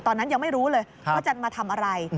ตอนนั้นยังไม่รู้เลยว่าจะมาทำอะไร